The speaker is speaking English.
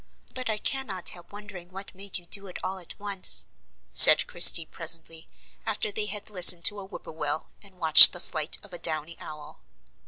But I cannot help wondering what made you do it all at once," said Christie presently, after they had listened to a whippoorwill, and watched the flight of a downy owl.